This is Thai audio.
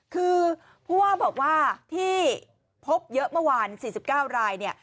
คือผู้ว่าบอกว่าที่พบเยอะเมื่อวาน๔๙รายเนี่ย